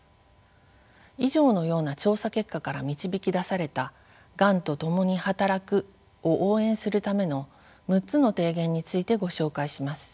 以上のような調査結果から導き出された「がんとともに働く」を応援するための６つの提言についてご紹介します。